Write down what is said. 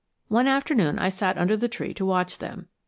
One afternoon I sat down under the tree to watch them.